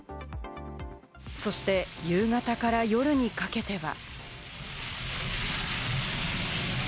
そして夕方から夜にかけては。